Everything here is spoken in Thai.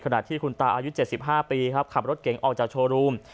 ขณะที่คุณตาอายุ๗๕ปีครับขับรถเก๋งออกจากโชว์รูม